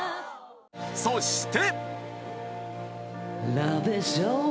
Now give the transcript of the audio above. そして！